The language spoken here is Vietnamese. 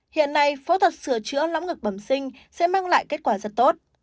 hiện nay phẫu thuật sửa chữa lõng ngực bẩm sinh sẽ mang lại kết quả rất tốt